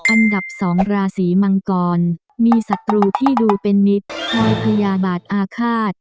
อันดับ๒ราศีมังกรมีศัตรูที่ดูเป็นมิตรภัยพญาบาทอาฆาต